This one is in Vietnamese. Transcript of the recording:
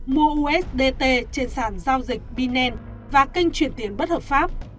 mua usdt trên sản giao dịch binance và kênh chuyển tiền bất hợp pháp